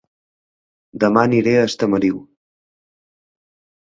Dema aniré a Estamariu